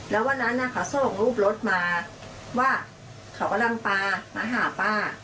แล้ววันนั้นเขาส่งรูปรถมาว่าเขากำลังปลามาหาป้า